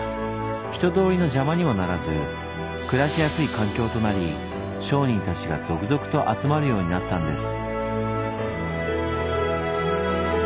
人通りの邪魔にもならず暮らしやすい環境となり商人たちが続々と集まるようになったんです。